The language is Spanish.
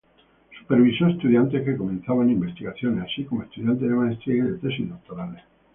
Supervisó estudiantes que comenzaban investigaciones, así como estudiantes de maestría y de tesis doctorales.